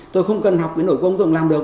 tôi không cần học biến đổi công tôi cũng làm được